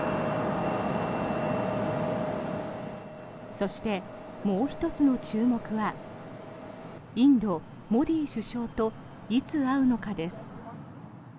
そして、もう１つの注目はインド、モディ首相といつ会うのかです。